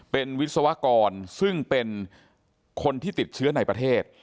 เป็นวิศวกรซึ่งเป็นคนที่ติดเชื้อในประเทศ